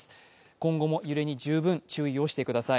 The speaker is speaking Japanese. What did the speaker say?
今後も揺れに十分注意をしてください。